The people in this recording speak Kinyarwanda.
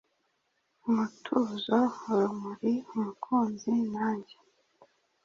umutuzo, urumuri, umukunzi nanjye